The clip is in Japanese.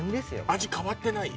味変わってない？